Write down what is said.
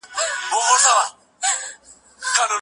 مور یې د تلویزون په پرده کې د نړۍ د رنګینو حالاتو ننداره کوله.